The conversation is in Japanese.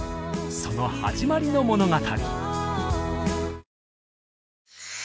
その始まりの物語！